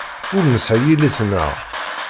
Ur nesɛi yelli-tneɣ.